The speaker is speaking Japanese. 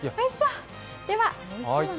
おいしそう。